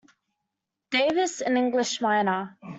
Davis an English miner.